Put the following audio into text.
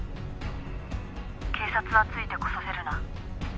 「警察はついてこさせるな」